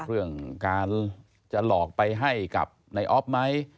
เรื่องการจะหลอกไปให้กับนายอ๊อฟไหม